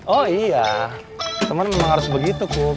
oh iya teman memang harus begitu kum